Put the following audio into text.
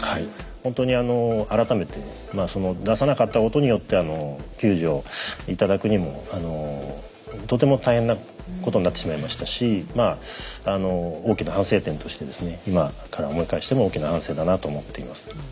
ほんとに改めて出さなかったことによって救助頂くにもとても大変なことになってしまいましたしまああの大きな反省点としてですね今から思い返しても大きな反省だなと思っています。